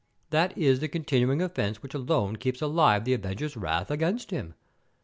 That is the continuing offence which alone keeps alive the avenger's wrath against him.